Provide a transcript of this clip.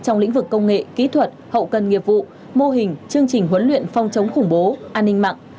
trong lĩnh vực công nghệ kỹ thuật hậu cần nghiệp vụ mô hình chương trình huấn luyện phòng chống khủng bố an ninh mạng